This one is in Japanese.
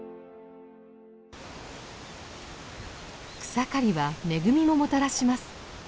草刈りは恵みももたらします。